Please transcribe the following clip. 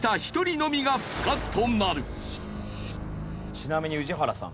ちなみに宇治原さん